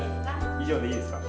以上でいいですか？